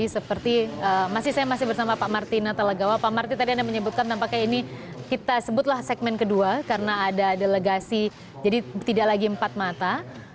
seperti saya masih bersama pak martina talagawa pak marti tadi anda menyebutkan tampaknya ini kita sebutlah segmen kedua karena ada delegasi jadi tidak lagi empat mata